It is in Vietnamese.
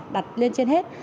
đặt lên trên hết